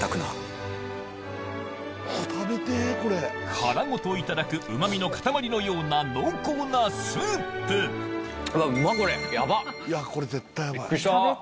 殻ごといただくうま味の塊のような濃厚なスープはい。